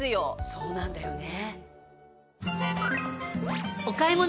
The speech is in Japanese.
そうなんだよね。